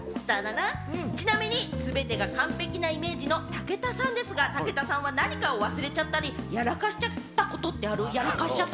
ちなみにすべてが完璧なイメージの武田さんですが、武田さんは何か忘れちゃったり、やらかしちゃったことってある？